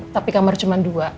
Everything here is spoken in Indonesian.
tapi kamar cuman dua